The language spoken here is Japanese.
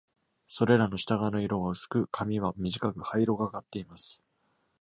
それらの下側の色は薄く、髪は短く灰色がかっています。